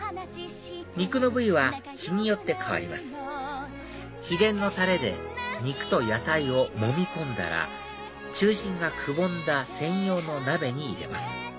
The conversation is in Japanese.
肉の部位は日によって替わります秘伝のタレで肉と野菜をもみ込んだら中心がくぼんだ専用の鍋に入れます